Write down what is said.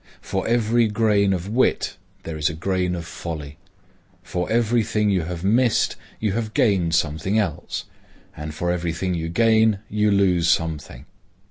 For every grain of wit there is a grain of folly. For every thing you have missed, you have gained something else; and for every thing you gain, you lose something.